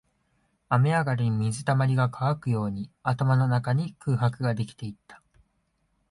雨上がりに水溜りが乾くように、頭の中に空白ができていった